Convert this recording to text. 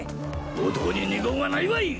男に二言はないわい！